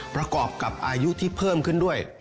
ประกอบกับอายุที่เพิ่มขึ้นด้วย